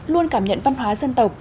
luôn cảm nhận văn hóa dân tộc